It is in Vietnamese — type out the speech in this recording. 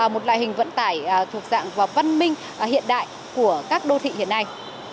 một loại hình vận tải thuộc dạng và văn minh hiện đại của các đô thị hiện nay